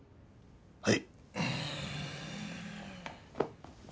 はい。